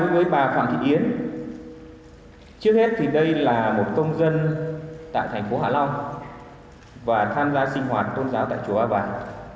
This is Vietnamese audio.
với bà phạm thị yến trước hết thì đây là một công dân tại thành phố hạ long và tham gia sinh hoạt tôn giáo tại chùa ba vàng